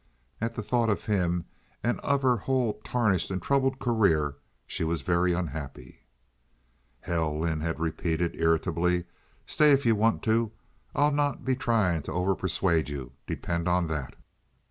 At the thought of him and of her whole tarnished and troubled career she was very unhappy. "Hell!" Lynde had repeated, irritably, "stay if you want to. I'll not be trying to over persuade you—depend on that."